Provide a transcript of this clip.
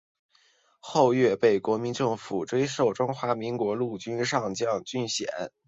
后岳被国民政府追授中华民国陆军上将军衔。